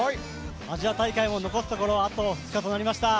アジア大会も残すところ、あと２日となりました。